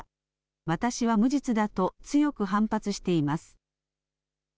私は無実だと強く反発しています。